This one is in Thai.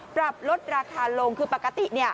ปรับลดราคาลงคือปกติเนี่ย